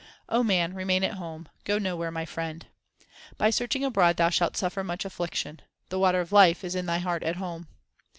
O man, remain at home ; go nowhere, my friend. By searching abroad thou shalt suffer much affliction ; the water of life is in thy heart at home.